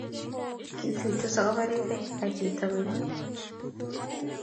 Kituitosi akopo rirek ake tang'anyi